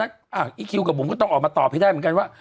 อีคิวกับบุ๋มก็ต้องออกมาตอบให้ได้เหมือนกันว่า